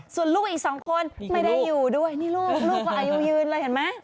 ส่วนลูกอีกสองคนไม่ได้อยู่ด้วยนี่ลูกลูกก็อายุยืนเลยเห็นไหม